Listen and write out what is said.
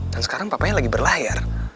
dan sekarang papanya lagi berlahir